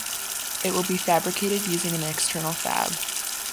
It will be fabricated using an external fab.